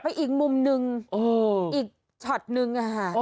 อีกมุมนึงอีกช็อตนึง